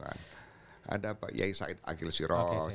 ada pak yai said agil sirok